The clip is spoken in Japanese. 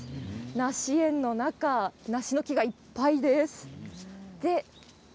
梨園の中梨の木がいっぱいです。